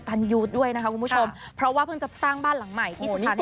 โหนี่ศูนย์ราชการหรืออะไรคะเนี่ย